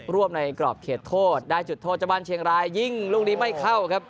ร่วมในกรอบเขตโทษได้จุดโทษเจ้าบ้านเชียงรายยิงลูกนี้ไม่เข้าครับ